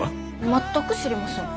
全く知りません。